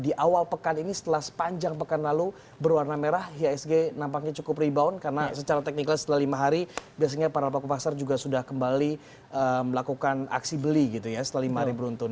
di awal pekan ini setelah sepanjang pekan lalu berwarna merah ihsg nampaknya cukup rebound karena secara teknikal setelah lima hari biasanya para pelaku pasar juga sudah kembali melakukan aksi beli gitu ya setelah lima hari beruntun